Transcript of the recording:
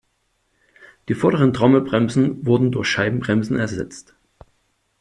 Die vorderen Trommelbremsen wurden durch Scheibenbremsen ersetzt.